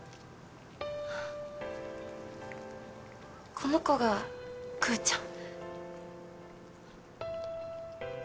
この子がクーちゃん。